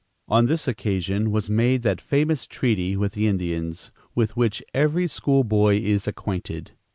On this occasion was made that famous treaty with the Indians, with which every school boy is acquainted.